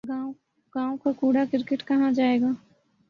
گاؤں کا کوڑا کرکٹ کہاں جائے گا۔